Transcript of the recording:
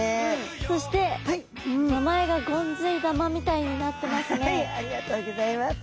そして名前がゴンズイ玉みたいになってますね。